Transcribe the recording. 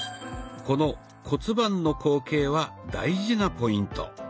この骨盤の後傾は大事なポイント。